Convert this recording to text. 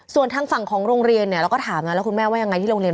ส่วนทางฝั่งของโรงเรียนเนี่ยเราก็ถามนะแล้วคุณแม่ว่ายังไงที่โรงเรียน